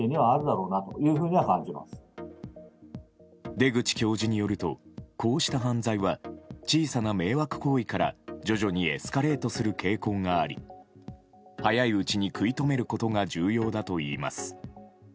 出口教授によるとこうした犯罪は小さな迷惑行為から徐々にエスカレートする傾向があり早いうちに食い止めることが重要だといいます。